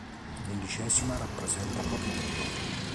L'unidicesima rappresenta proprio Dio.